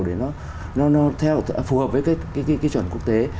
để nó phù hợp với cái chuẩn quốc tế